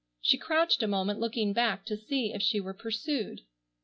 She crouched a moment looking back to see if she were pursued.